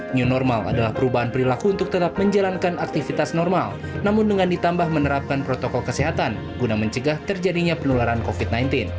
new normal adalah perubahan perilaku untuk tetap menjalankan aktivitas normal namun dengan ditambah menerapkan protokol kesehatan guna mencegah terjadinya penularan covid sembilan belas